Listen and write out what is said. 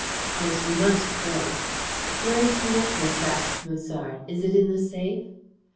Of course, we must go." "Where is her necklace?" asked Musard. "Is it in the safe?"